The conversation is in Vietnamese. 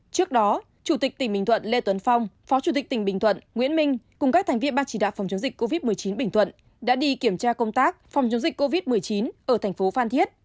trước đó chủ tịch tỉnh bình thuận lê tuấn phong phó chủ tịch tỉnh bình thuận nguyễn minh cùng các thành viên ban chỉ đạo phòng chống dịch covid một mươi chín bình thuận đã đi kiểm tra công tác phòng chống dịch covid một mươi chín ở thành phố phan thiết